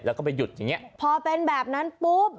แล้วก็ไปหยุดอย่างเงี้ยพอเป็นแบบนั้นปุ๊บ